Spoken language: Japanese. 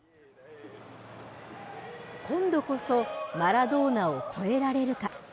今度こそマラドーナを超えられるか。